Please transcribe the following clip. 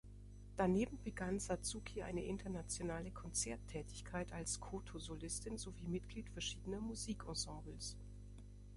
Daneben begann Satsuki eine internationale Konzerttätigkeit als Koto-Solistin sowie Mitglied verschiedener Musikensembles.